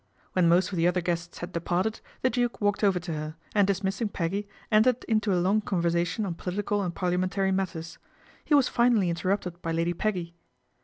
When most of the other guests had departed, the Duke walked over to her, and dismissing Peggy, entered into a long conversation on political and parliamentary matters. He was finally inter rupted by Lady Peggy.